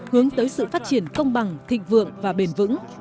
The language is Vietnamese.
hướng dẫn các đối tượng